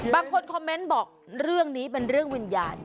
บางคนคอมเมนต์บอกเรื่องนี้เป็นเรื่องวิญญาณ